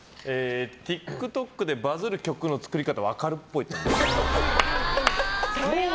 ＴｉｋＴｏｋでバズる曲の作り方分かるっぽい。